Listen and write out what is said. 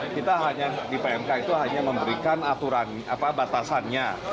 kita di pmk itu hanya memberikan aturan apa batasannya